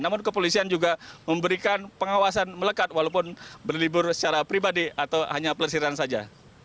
namun kepolisian juga memberikan pengawasan melekat walaupun berlibur secara pribadi atau hanya pelesiran saja